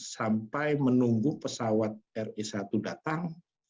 sampai menunggu pesawat ri satu datang